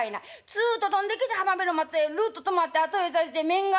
つっと飛んできて浜辺の松へるっと止まって後へ指して雌が。